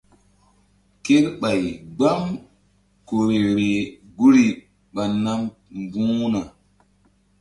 Kerɓay gbam ku vbe-vbeh guri ɓa nam mbu̧h na.